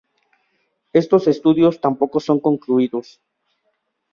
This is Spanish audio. Estos estudios tampoco son concluidos.